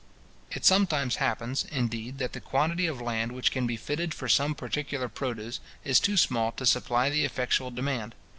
It sometimes happens, indeed, that the quantity of land which can be fitted for some particular produce, is too small to supply the effectual demand.